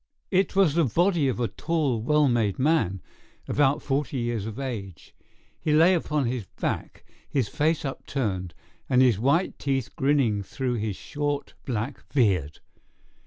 It was the body of a tall, well made man, about forty years of age. He lay upon his back, his face upturned, with his white teeth grinning through his short, black beard.